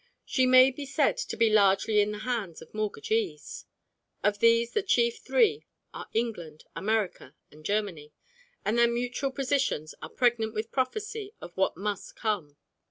She may be said to be largely in the hands of mortgagees. Of these the chief three are England, America, and Germany; and their mutual positions are pregnant with prophecy of what must come.